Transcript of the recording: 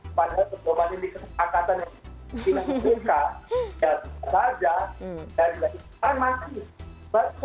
maka pedoman ini kesetakatan yang mungkin terbuka